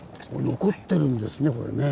残ってるんですねこれね。